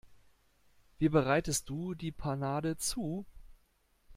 Wie bereitest du die Panade zu?